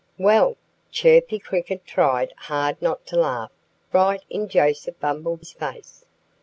Well, Chirpy Cricket tried hard not to laugh right in Joseph Bumble's face.